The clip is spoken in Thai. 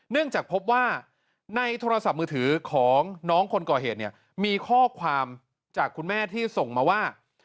เนื่องจากพบว่าในโทรศัพท์มือถือของน้องคนก่อเหตุเนี่ยมีข้อความจากคุณแม่ที่ส่งมาว่า